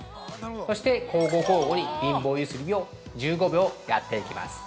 そして、交互交互に貧乏ゆすりを１５秒やっていきます。